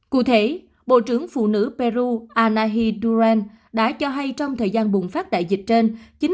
cụ thể bộ trưởng phụ nữ peru annahid duren đã cho hay trong thời gian bùng phát đại dịch trên